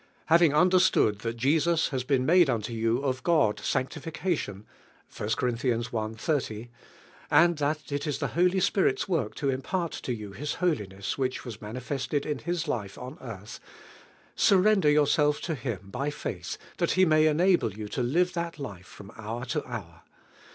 Having understood fhal .Jesus DIVIHB HTTALnTG. 77 has been made onto you of God sanclifi eation (I. Cor. i. 3ft), and that it is ihc Holy Spirit's work (o impart to you Hia holiness which was manifested in His fife on earth, surrender yourself to nim by faith that He may enable you to live that life from hour to hour.